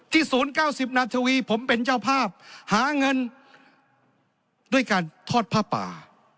ศูนย์๙๐นาทีวีผมเป็นเจ้าภาพหาเงินด้วยการทอดผ้าป่า